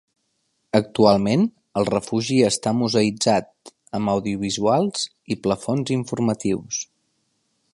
Actualment el refugi està museïtzat, amb audiovisuals i plafons informatius.